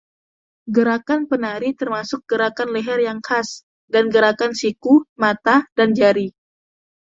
Gerakan penari termasuk gerakan leher yang khas, dan gerakan siku, mata, dan jari.